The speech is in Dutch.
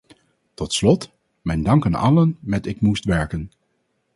Tot slot, mijn dank aan allen met ik moest werken.